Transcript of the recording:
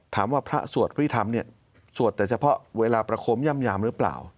ถามว่าพระสวดพฤธรรมเนี่ยสวดแต่เฉพาะเวลาประโคมยามหรือเปล่า